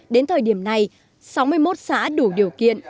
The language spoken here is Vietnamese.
đến thời điểm này sáu mươi một xã đủ điều kiện